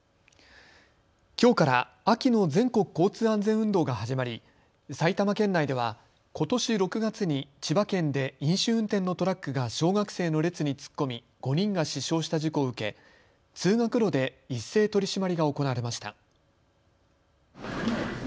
きょうから秋の全国交通安全運動が始まり埼玉県内ではことし６月に千葉県で飲酒運転のトラックが小学生の列に突っ込み５人が死傷した事故を受け、通学路で一斉取締りが行われました。